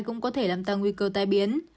cũng có thể làm tăng nguy cơ tai biến